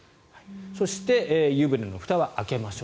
そして、湯船のふたは開けましょう。